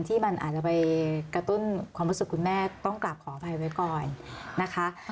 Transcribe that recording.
ที่มันอาจจะไปกระตุ้นความรู้สึกคุณแม่ต้องกลับขออภัยไว้ก่อนนะคะ